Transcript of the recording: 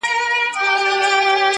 موږ ګناه کار یو چي مو ستا منله,